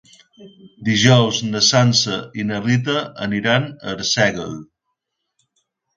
Dijous na Sança i na Rita aniran a Arsèguel.